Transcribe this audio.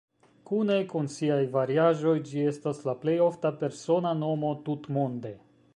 Kune kun siaj variaĵoj ĝi estas la plej ofta persona nomo tutmonde.